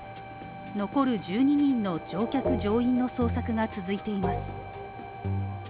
残る１２人の乗客・乗員の捜索が続いています。